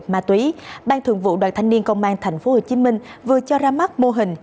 ma túy ban thường vụ đoàn thanh niên công an tp hcm vừa cho ra mắt mô hình